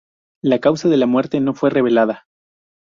La causa de la muerte no fue revelada.